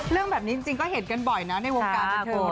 เรื่องแบบนี้จริงก็เห็นกันบ่อยนะในวงการบันเทิง